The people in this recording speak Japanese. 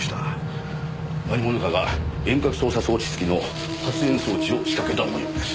何者かが遠隔操作装置付きの発煙装置を仕掛けた模様です。